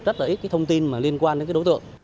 rất là ít thông tin liên quan đến đối tượng